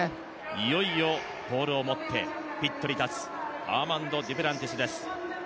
いよいよポールを持ってピットに立つアーマンド・デュプランティスです